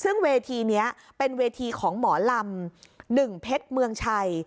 ซึ่งเวทีนี้เป็นเวทีของหมอลำ๑เพชรเมืองชัย